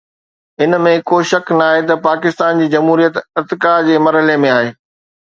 ان ۾ ڪو شڪ ناهي ته پاڪستان جي جمهوريت ارتقا جي مرحلن ۾ آهي.